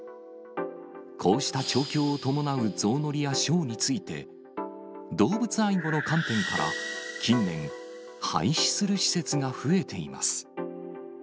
こうした調教を伴うゾウ乗りやショーについて、動物愛護の観点から近年、廃止する施設が増えています。